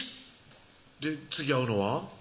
次会うのは？